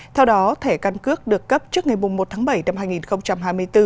theo đó thẻ căn cước được cấp trước ngày một tháng bảy năm hai nghìn hai mươi bốn